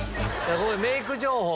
ここでメイク情報。